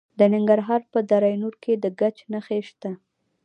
د ننګرهار په دره نور کې د ګچ نښې شته.